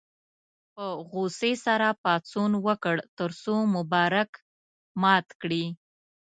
په غوسې سره پاڅون وکړ تر څو مبارک مات کړي.